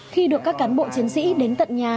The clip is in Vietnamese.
khi được các cán bộ chiến sĩ đến tận nhà